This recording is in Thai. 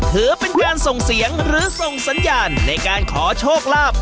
ถือเป็นการส่งเสียงหรือส่งสัญญาณในการขอโชคลาภ